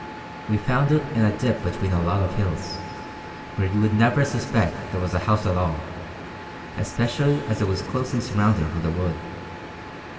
We found it in a dip between a lot of hills where you would never suspect there was a house at all, especially as it was closely surrounded with a wood.